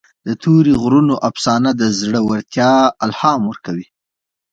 د تورې غرونو افسانه د زړه ورتیا الهام ورکوي.